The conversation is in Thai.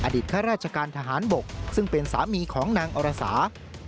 ข้าราชการทหารบกซึ่งเป็นสามีของนางอรสา